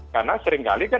karena sering kali kan